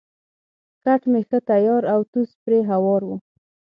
کټ مې ښه تیار او توس پرې هوار وو.